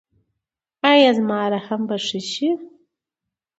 ایا زما رحم به ښه شي؟